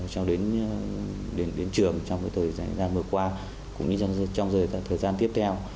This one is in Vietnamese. cho đến trường trong thời gian vừa qua cũng như trong thời gian tiếp theo